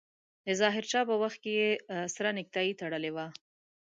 د ظاهر شاه په وخت کې يې سره نيکټايي تړلې وه.